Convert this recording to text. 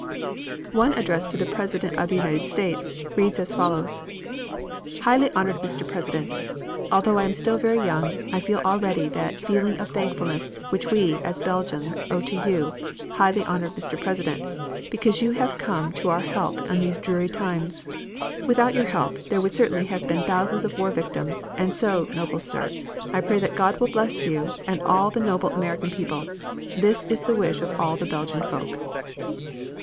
One addressed to the President of the United States reads as follows: Highly Honored Mr. President: Although I am still very young I feel already that feeling of thankfulness which we, as Belgians, owe to you, Highly Honored Mr. President, because you have come to our help in these dreary times. Without your help there would certainly have been thousands of war victims, and so, Noble Sir, I pray that God will bless you and all the noble American people. That is the wish of all the Belgian folk.